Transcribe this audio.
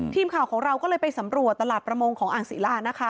ทีมข่าวของเราก็เลยไปสำรวจตลาดประมงของอ่างศิลานะคะ